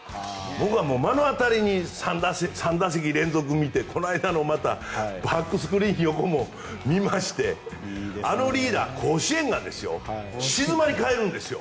僕は目の当たりに３打席連続を見てこの間のバックスクリーン横も見ましてリーダー、あの甲子園が静まり返るんですよ。